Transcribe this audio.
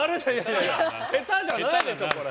下手じゃないでしょ、これ。